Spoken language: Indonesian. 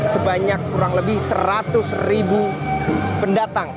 sebanyak kurang lebih seratus ribu pendatang